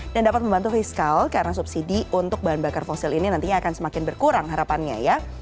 dan dapat membantu fiskal karena subsidi untuk bahan bakar fosil ini nantinya akan semakin berkurang harapannya ya